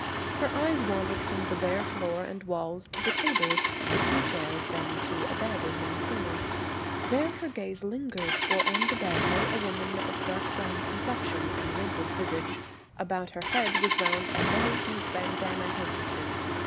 Her eyes wandered from the bare floor and walls to the table, the two chairs, and then to a bed in one corner. There her gaze lingered, for on the bed lay a woman of dark brown complexion and wrinkled visage; about her head was wound a many hued bandanna handkerchief.